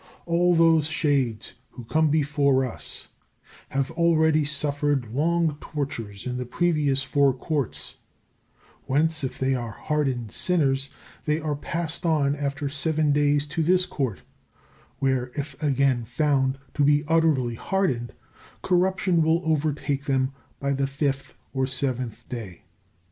All those shades who come before us have already suffered long tortures in the previous four Courts, whence, if they are hardened sinners, they are passed on after seven days to this Court, where if again found to be utterly hardened, corruption will overtake them by the fifth or seventh day.